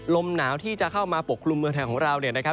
ลมหนาวที่จะเข้ามาปกคลุมเมืองไทยของเรา